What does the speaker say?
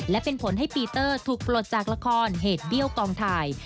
และเป็นผลให้ปีเตอร์ถูกปลดจากละครเหตุเบี้ยวกองถ่าย